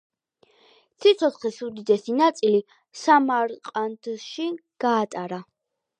სიცოცხლის უდიდესი ნაწილი სამარყანდში გაატარა.